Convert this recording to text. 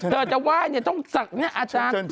เธอจะไหว้ต้องจัดเนี่ยอาจารย์